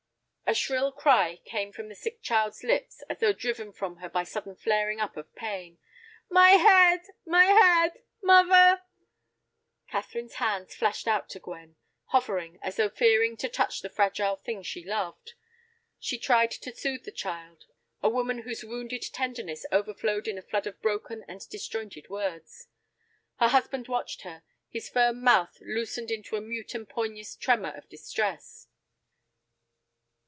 A shrill cry came from the sick child's lips, as though driven from her by some sudden flaring up of pain. "My head, my head! Muvver—" Catherine's hands flashed out to Gwen, hovering, as though fearing to touch the fragile thing she loved. She tried to soothe the child, a woman whose wounded tenderness overflowed in a flood of broken and disjointed words. Her husband watched her, his firm mouth loosened into a mute and poignant tremor of distress.